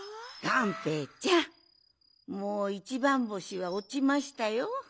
がんぺーちゃんもういちばんぼしはおちましたよ。